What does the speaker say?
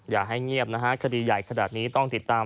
อย่าให้เงียบนะฮะคดีใหญ่ขนาดนี้ต้องติดตาม